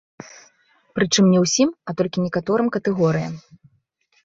Прычым не ўсім, а толькі некаторым катэгорыям.